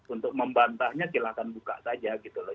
untuk membantahnya silahkan buka saja gitu loh